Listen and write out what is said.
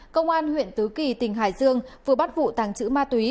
công an huyện tứ kỳ tỉnh hải dương vừa bắt vụ tàng trữ ma túy